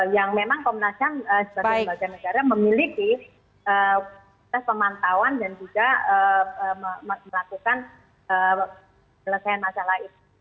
yang memang komnas ham sebagai lembaga negara memiliki pemantauan dan juga melakukan penyelesaian masalah itu